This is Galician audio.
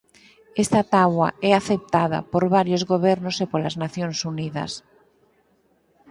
Esta táboa é aceptada por varios gobernos e polas Nacións Unidas.